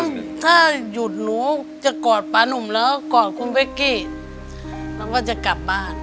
แต่ถ้าหยุดหนูจะกอดป๊านุ่มแล้วก็กอดคุณเฟคกี้แล้วก็จะกลับบ้าน